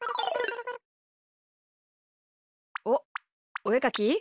おっおえかき？